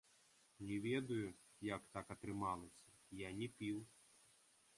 Не ведаю, як так атрымалася, я не піў.